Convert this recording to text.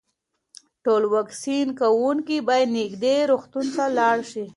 ټول واکسین کوونکي باید نږدې روغتون ته لاړ شي.